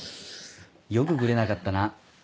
よくグレなかったな。